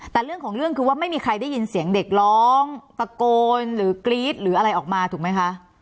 แต่เรื่องของเรื่องคือว่าไม่มีใครได้ยินเสียงเด็กร้องตะโกนหรือกรี๊ดหรืออะไรออกมาถูกไหมคะ